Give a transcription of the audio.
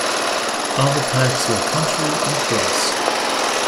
Other packs were "Country" and "Brass".